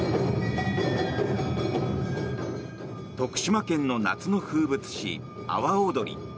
徳島県の夏の風物詩阿波おどり。